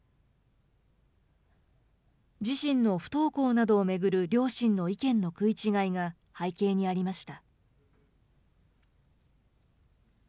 自身の不登校などを巡る両親の意見の食い違いが背景にありました。